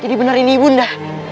jadi benar ini ibu unda